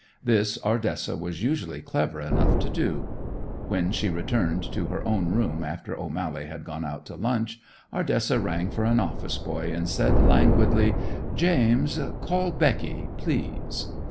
This Ardessa was usually clever enough to do. When she returned to her own room after O'Mally had gone out to lunch, Ardessa rang for an office boy and said languidly, "James, call Becky, please."